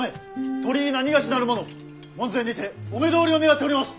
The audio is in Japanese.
鳥居なにがしなる者門前にてお目通りを願っております！